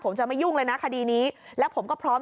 ผมจะไม่ยุ่งเลยนะคดีนี้แล้วผมก็พร้อม